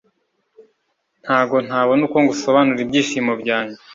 ntago ntabona uko ngusobanurira ibyishimo byanjye.